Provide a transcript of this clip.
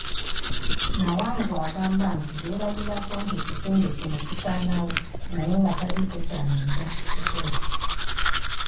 Nawangwe agamba nti yeerabirako ng'ekizimbe kino kisaanawo naye nga taliiko ky'ayinza kukola.